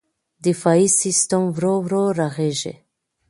دفاعي سیستم ورو ورو رغېږي.